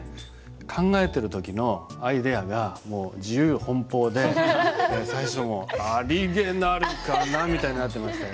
考えてる時のアイデアがもう自由奔放で最初「ありげなるかな」みたいになってましたよね。